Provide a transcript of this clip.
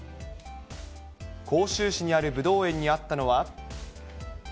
甲州市にあるブドウ園にあったのは。